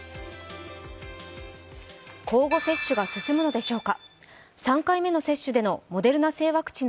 交互接種が進むのでしょうか。